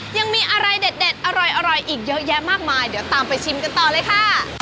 ยังมีอะไรเด็ดอร่อยอีกเยอะแยะมากมายเดี๋ยวตามไปชิมกันต่อเลยค่ะ